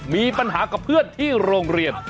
มีปัญหากับเพื่อนที่โรงเรียน